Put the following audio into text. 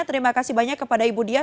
terima kasih banyak kepada ibu dian